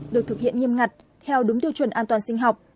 được thực hiện nghiêm ngặt theo đúng tiêu chuẩn an toàn sinh học